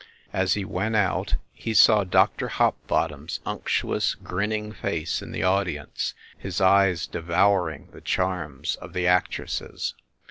As he went out, he saw Dr. Hopbottom s unctuous grinning face in the audience, his eyes de vouring the charms of the actresses.